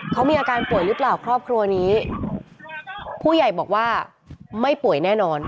เขามีอาการป่วยหรือเปล่าครอบครัวนี้ผู้ใหญ่บอกว่าไม่ป่วยแน่นอน